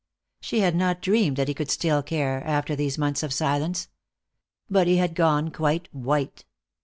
She had not dreamed that he could still care, after these months of silence. But he had gone quite white.